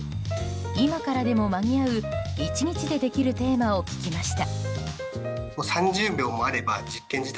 今からでも間に合う１日でできるテーマを聞きました。